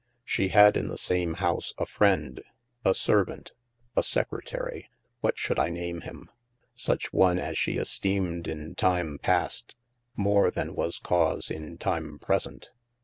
Shee had in the same house a friend, a servant, a Secretary : what should I name him ? such one as shee esteemed in time past more than was cause in tyme present.